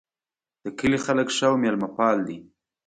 د کلي خلک ښه او میلمه پال دي